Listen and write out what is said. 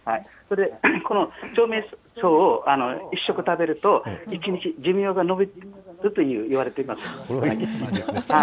この長命草を一食食べると、１日寿命が延びるといわれています。